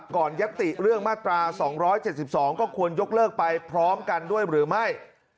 ยัตติเรื่องมาตรา๒๗๒ก็ควรยกเลิกไปพร้อมกันด้วยหรือไม่